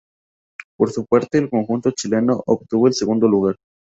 Por su parte el conjunto chileno obtuvo el segundo lugar.